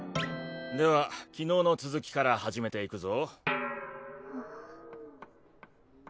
では昨日の続きから始めていくぞ。